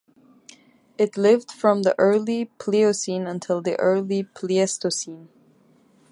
It lived from the Early Pliocene until the Early Pleistocene.